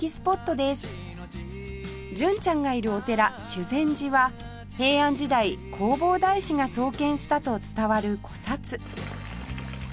純ちゃんがいるお寺修禅寺は平安時代弘法大師が創建したと伝わる古刹